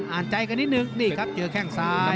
ใจกันนิดนึงนี่ครับเจอแข้งซ้าย